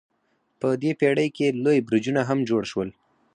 په دې پیړۍ کې لوی برجونه هم جوړ شول.